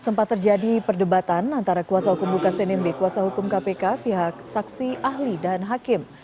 sempat terjadi perdebatan antara kuasa hukum lukas nmb kuasa hukum kpk pihak saksi ahli dan hakim